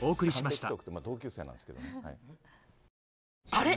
あれ？